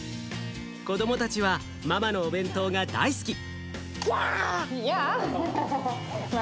子どもたちはママのお弁当が大好き。